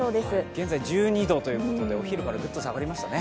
現在、１２度ということでお昼からずっと下がりましたね。